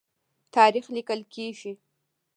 تاریخ لیکل کیږي.